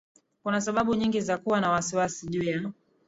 kuna sababu nyingi za kuwa na wasiwasi juu ya